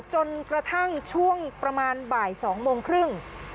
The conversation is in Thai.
จนกระทั่งช่วงประมาณบ่าย๒โมงครึ่ง